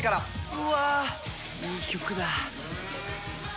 うわあいい曲だ。